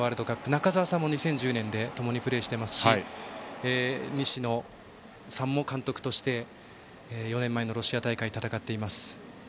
中澤さんも２０１０年ともにプレーしていますし西野さんも監督として４年間のロシア大会を戦っています。